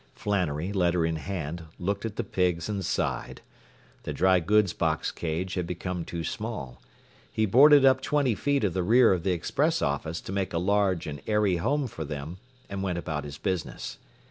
Flannery, letter in hand, looked at the pigs and sighed. The dry goods box cage had become too small. He boarded up twenty feet of the rear of the express office to make a large and airy home for them, and went about his business.